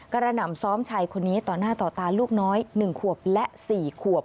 กระหน่ำซ้อมชายคนนี้ต่อหน้าต่อตาลูกน้อย๑ขวบและ๔ขวบ